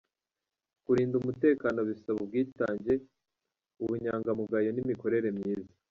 Kurinda umutekano bisaba ubwitange, ubunyangamugayo n’imikorere myiza.